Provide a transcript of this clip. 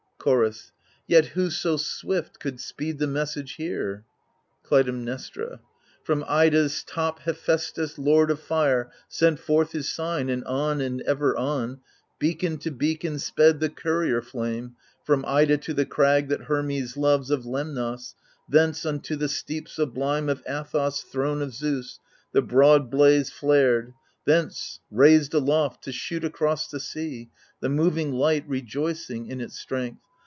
Chorus Yet who so swift could speed the message here ? Clytemnestra From Ida's top Hephaestus, lord of fire, Sent forth his sign ; and on, and ever on, Beacon to beacon sped the courier flame. From Ida to the crag, that Hermes loves. Of Lemnos ; thence unto the steep sublime Of Athos, throne of Zeus, the broad blaze flared. Thence, raised aloft to shoot across the sea, The moving light, rejoicing in its strength.